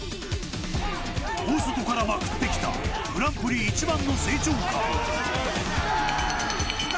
大外からまくってきたグランプリ一番の成長株。